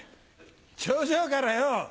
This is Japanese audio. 頂上からよ